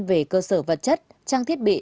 về cơ sở vật chất trang thiết bị